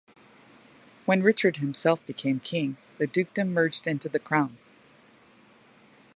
When Richard himself became king, the dukedom merged into the crown.